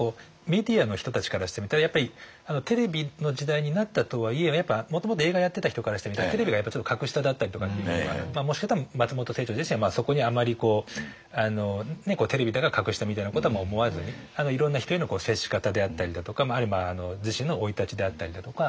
メディアの人たちからしてみたらやっぱりテレビの時代になったとはいえやっぱもともと映画やってた人からしてみたらテレビがやっぱちょっと格下だったりとかっていうことがもしかしたら松本清張自身はそこにあまりこうテレビだから格下みたいなことは思わずにいろんな人への接し方であったりだとか自身の生い立ちであったりだとか。